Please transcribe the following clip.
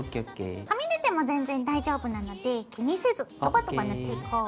はみ出ても全然大丈夫なので気にせずドバドバ塗っていこう。